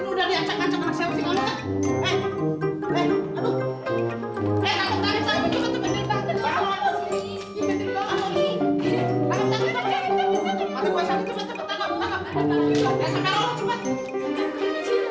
ini udah diacak acak anak siapa sih